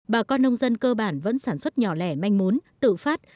bà con nông dân cơ bản vẫn sản xuất nhỏ lẻ manh muốn tự phát